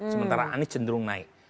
sementara anies cenderung naik